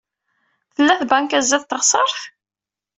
Tella tbanka sdat teɣsert?